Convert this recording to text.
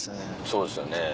そうですよね。